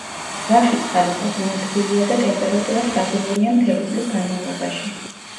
ზღვაში წყალი საკმაოდ თბილია და ტემპერატურა სტაბილურია მთელი წლის განმავლობაში.